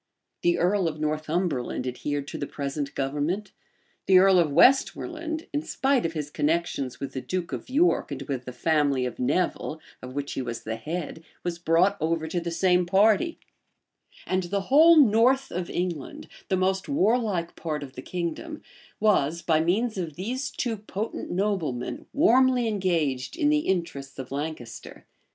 The earl of Northumberland adhered to the present government: the earl of Westmoreland, in spite of his connections with the duke of York, and with the family of Nevil, of which he was the head, was brought over to the same party; and the whole north of England, the most warlike part of the kingdom, was, by means of these two potent noblemen, warmly engaged in the interests of Lancaster.